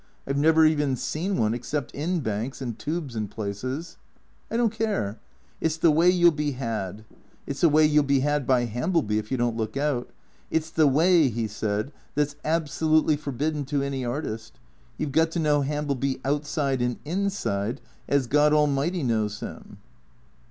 I 've never even seen one except in banks and tubes and places." " I don't care. It 's the way you '11 be had. It 's the way you '11 be had by Hambleby if you don't look out. It 's the way," he said, " that 's absolutely forbidden to any artist. You 've got to know Hambleby outside and inside, as God Al mighty knows him."